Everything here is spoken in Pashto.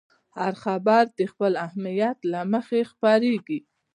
هر خبر د خپل اهمیت له مخې خپرېږي.